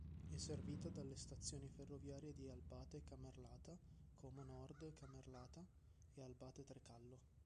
È servita dalle stazioni ferroviarie di Albate-Camerlata, Como Nord-Camerlata e Albate-Trecallo.